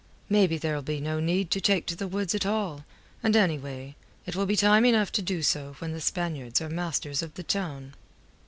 "Maybe there'll be no need to take to the woods at all, and, anyway, it will be time enough to do so when the Spaniards are masters of the town."